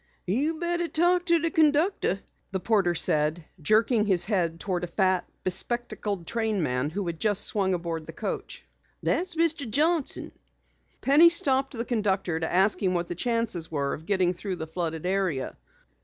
"You betteh talk to de conductor," the porter said, jerking his head toward a fat, bespectacled trainman who had just swung aboard the coach. "Dat's Mr. Johnson." Penny stopped the conductor to ask him what the chances were of getting through the flooded area.